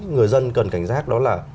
người dân cần cảnh giác đó là